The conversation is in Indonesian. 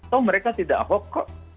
toh mereka tidak hokok